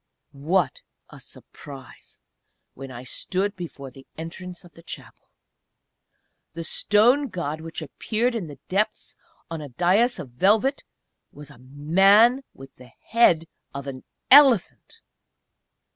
What a surprise when I stood before the entrance of the Chapel! The stone God which appeared in the depths on a dais of velvet was a Man with the head of an Elephant!